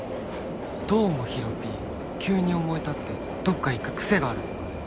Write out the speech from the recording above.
どうもヒロピー急に思い立ってどっか行く癖があるとかで。